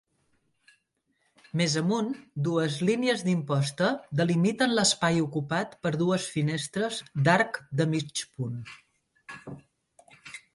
Més amunt, dues línies d'imposta delimiten l'espai ocupat per dues finestres d'arc de mig punt.